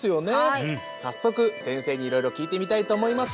はい早速先生に色々聞いてみたいと思います